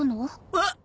あっ！